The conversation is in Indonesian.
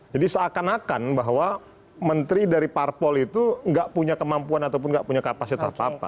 jadi seakan akan bahwa menteri dari parpol itu nggak punya kemampuan ataupun nggak punya kapasitas apa apa